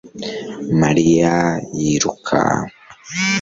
mariya yiruka